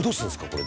これ。